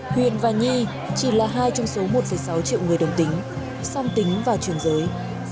huyền và nhi chỉ là hai trong số một sáu triệu người đồng tính song tính và chuyển giới